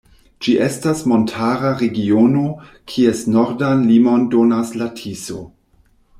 Ĝi estas montara regiono, kies nordan limon donas la Tiso.